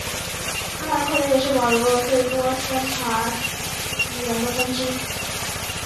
哈萨克语也是保留了最多钦察语言的分支。